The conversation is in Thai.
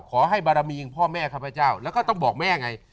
ขอให้บารมีอย่างพ่อแม่ข้าพเจ้าแล้วก็ต้องบอกแม่ไง